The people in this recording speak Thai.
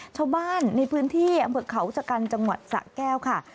ชาวบ้านในพื้นที่อำเภอเขาชะกันจังหวัดสะแก้วค่ะ